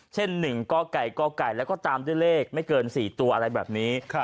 เช่น๑กไก่กไก่แล้วก็ตามด้วยเลขไม่เกิน๔ตัวอะไรแบบนี้